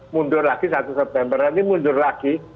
mundur lagi satu september nanti mundur lagi